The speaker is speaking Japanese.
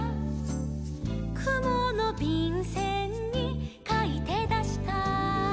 「くものびんせんにかいてだした」